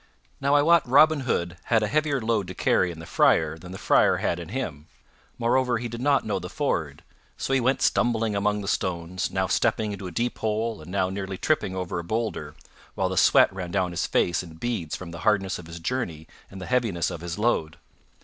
Now I wot Robin Hood had a heavier load to carry in the Friar than the Friar had in him. Moreover he did not know the ford, so he went stumbling among the stones, now stepping into a deep hole, and now nearly tripping over a boulder, while the sweat ran down his face in beads from the hardness of his journey and the heaviness of his load.